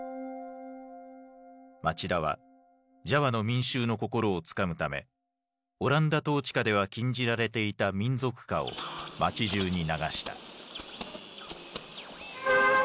町田はジャワの民衆の心をつかむためオランダ統治下では禁じられていた民族歌を街じゅうに流した。